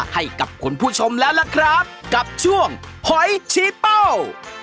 ให้กับคุณผู้ชมแล้วล่ะครับกับช่วงหอยชี้เป้า